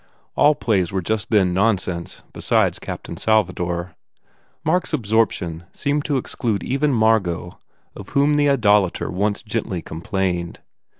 All plays were just then nonsense beside "Captain Salva dor." Mark s absorption seemed to exclude even Margot of whom the idolater once gently com plained.